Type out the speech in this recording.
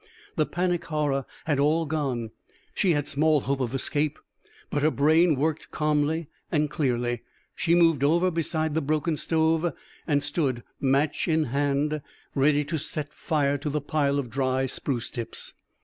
The panic horror had all gone. She had small hope of escape, but her brain worked calmly and clearly. She moved over beside the broken stove, and stood, match in hand, ready to set fire to the pile of dry spruce tips.